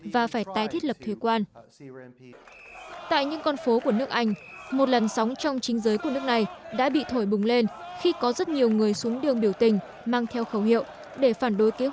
vâng những thông tin vừa rồi